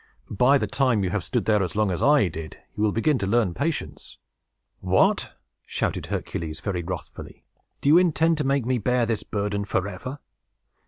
By the time you have stood there as long as I did, you will begin to learn patience!" "What!" shouted Hercules, very wrathfully, "do you intend to make me bear this burden forever?"